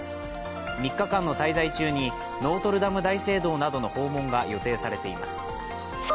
３日間の滞在中にノートルダム大聖堂などの訪問が予定されています。